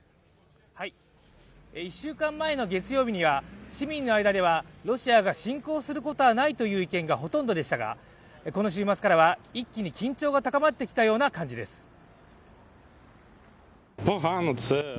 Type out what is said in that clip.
１週間前の月曜日には市民の間ではロシアが侵攻することはないという意見がほとんどでしたがこの週末からは、一気に緊張が高まってきたような感じです。